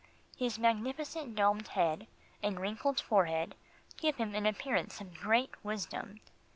His magnificent domed head, and wrinkled forehead give him an appearance of great wisdom.